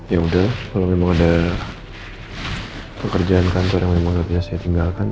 ya udah kalau memang ada pekerjaan kantor yang memang biasa saya tinggalkan